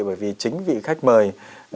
bởi vì chính vị khách mời